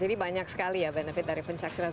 jadi banyak sekali ya benefit dari pencakserat